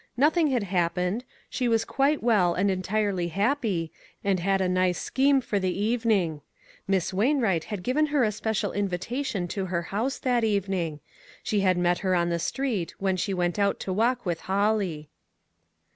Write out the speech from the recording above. Nothing had happened; she was quite well and entirely happy, and had a nice scheme for the evening. Miss Wainwright had given her a special invita tion to her house that evening ; she had met her on the street, when she went out to walk with Holly.